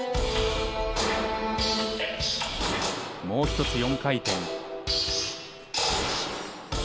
もう一つ４回転。